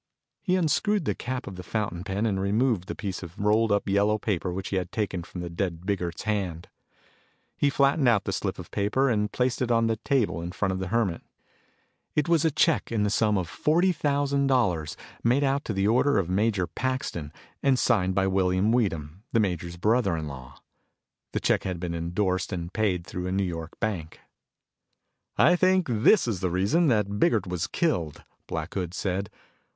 He unscrewed the cap of the fountain pen and removed the piece of rolled up yellow paper which he had taken from the dead Biggert's hand. He flattened out the slip of paper and placed it on the table in front of the Hermit. It was a check in the sum of forty thousand dollars, made out to the order of Major Paxton and signed by William Weedham, the major's brother in law. The check had been endorsed and paid through a New York bank. "I think this is the reason that Biggert was killed," Black Hood said.